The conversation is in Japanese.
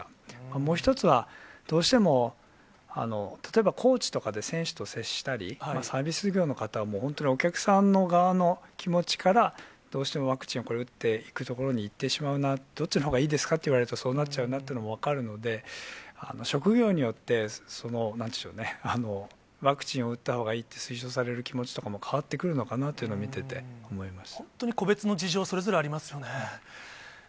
もう一つは、どうしても、例えば、コーチとかで選手と接したり、サービス業の方は、本当にお客さんの側の気持ちから、どうしてもワクチンを打っていくところにいってしまうな、どっちのほうがいいですかと言われると、そうなっちゃうなというのも分かるので、職業によって、なんていうんでしょうね、ワクチンを打ったほうがいいって推奨される気持ちとかも変わってくるのかなって、見てて思いました。